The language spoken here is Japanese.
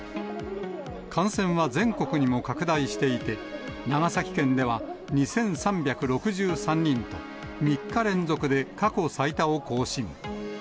感染は全国にも拡大していて、長崎県では２３６３人と、３日連続で過去最多を更新。